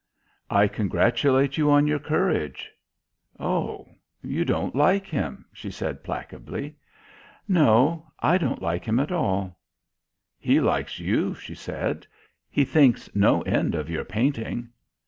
"I congratulate you on your courage." "Oh, you don't like him," she said placably. "No, I don't like him at all." "He likes you," she said. "He thinks no end of your painting."